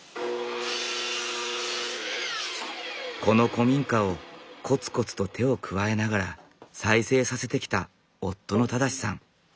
この古民家をこつこつと手を加えながら再生させてきた夫の正さん。